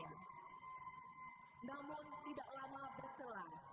pertemuan keluarga pun terjadi